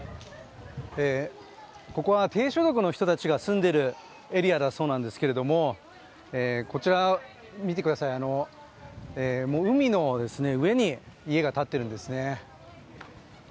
ここは低所得の人たちが住んでいるエリアだそうなんですけど、こちらを見てください、海の上に家が建っているんですね。